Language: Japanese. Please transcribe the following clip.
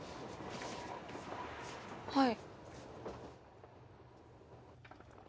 はい。